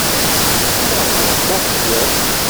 Qqleɣ jehdeɣ cwiṭ.